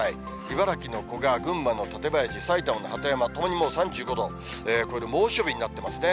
茨城の古河、群馬の館林、埼玉の鳩山、ともに３５度、超える猛暑日になってますね。